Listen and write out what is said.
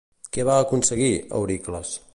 Què va aconseguir, Euricles?